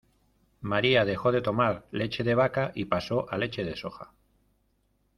Maria dejó de tomar leche de vaca y pasó a leche de soja.